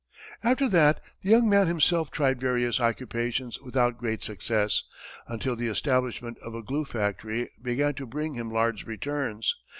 After that, the young man himself tried various occupations without great success, until the establishment of a glue factory began to bring him large returns.